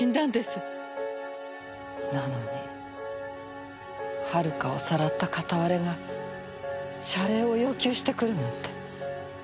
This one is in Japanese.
なのに遥をさらった片割れが謝礼を要求してくるなんて。